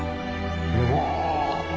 うわ。